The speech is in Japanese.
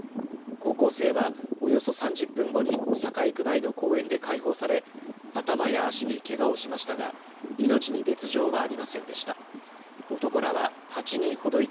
高校生はおよそ３０分後に堺区内の公園で解放され頭や足にけがをしましたが命に別状はありませんでした。